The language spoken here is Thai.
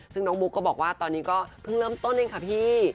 ซึ่งน้องบุ๊กก็บอกว่าตอนนี้ก็เพิ่งเริ่มต้นเองค่ะพี่